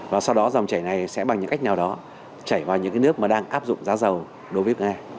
và sau đó dòng chảy này sẽ bằng những cách nào đó chảy vào những nước mà đang áp dụng giá dầu đối với nga